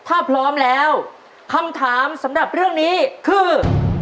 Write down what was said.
ถ้าพร้อมแล้วคำถามสำหรับเรื่องนี้คือ